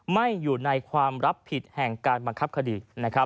ไม่อยู่ในความรับผิดแห่งการบังคับคดี